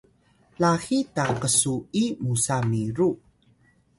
laxiy ta ksu’i musa miru